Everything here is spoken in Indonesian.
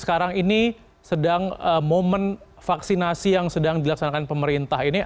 sekarang ini sedang momen vaksinasi yang sedang dilaksanakan pemerintah ini